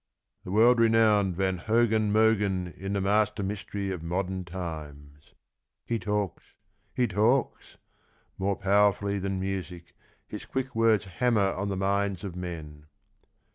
" The World renowned Van Hogen Mogcn in m The Master Mystery of Modern Times. ..." He talks, he talks; more po\/erfully than music His quick words hammer on the minds of men.